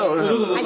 「はい。